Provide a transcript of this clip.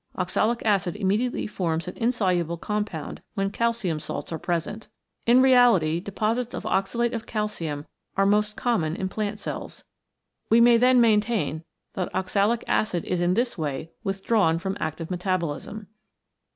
Oxalic acid immediately forms an insoluble compound when calcium salts are present. In reality deposits of oxalate of calcium are most common in plant cells. We may then maintain that oxalic acid is in this way withdrawn from active metabolism.